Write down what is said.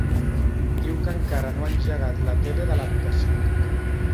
Diu que encara no ha engegat la tele de l'habitació.